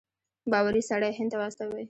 باوري سړی هند ته واستوي.